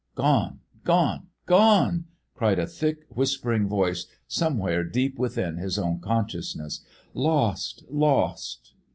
"Gone! gone! gone!" cried a thick, whispering voice, somewhere deep within his own consciousness. "Lost! lost!